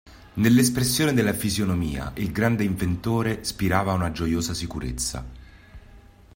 Nella espressione della fisonomia il grande inventore spirava una gioiosa sicurezza.